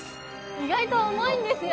意外と重いんですよ